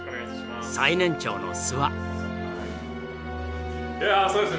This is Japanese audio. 最年長の諏訪。